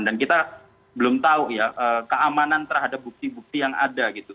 dan kita belum tahu ya keamanan terhadap bukti bukti yang ada gitu